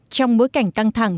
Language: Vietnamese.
trong bối cảnh căng thẳng